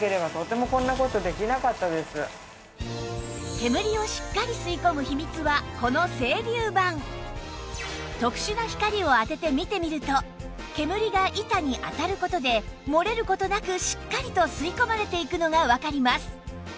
煙を特殊な光を当てて見てみると煙が板に当たる事で漏れる事なくしっかりと吸い込まれていくのがわかります